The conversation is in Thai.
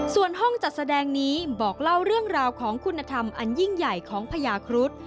ส่วนห้องจัดแสดงนี้บอกเล่าเรื่องราวของคุณธรรมอันยิ่งใหญ่ของพญาครุฑ